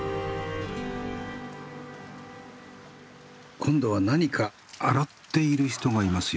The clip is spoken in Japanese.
今度は何か洗っている人がいますよ。